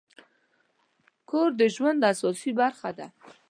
کور د ژوند اساسي برخه ده.